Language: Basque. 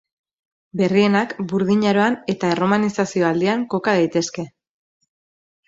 Berrienak Burdin Aroan eta erromanizazio aldian koka daitezke.